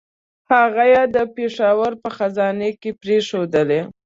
هغه یې د پېښور په خزانه کې پرېښودلې.